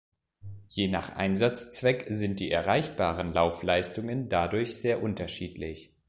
Je nach Einsatzzweck sind die erreichbaren Laufleistungen dadurch sehr unterschiedlich.